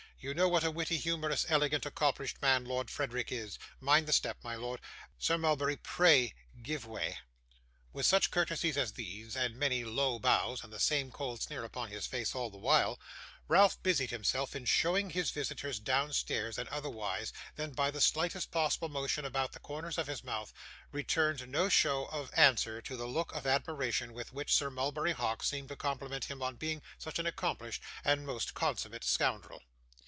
You know what a witty, humorous, elegant, accomplished man Lord Frederick is. Mind the step, my lord Sir Mulberry, pray give way.' With such courtesies as these, and many low bows, and the same cold sneer upon his face all the while, Ralph busied himself in showing his visitors downstairs, and otherwise than by the slightest possible motion about the corners of his mouth, returned no show of answer to the look of admiration with which Sir Mulberry Hawk seemed to compliment him on being such an accomplished and most consummate scoundrel.